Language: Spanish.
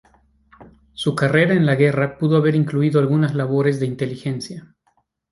Su carrera en la guerra pudo haber incluido algunas labores de inteligencia.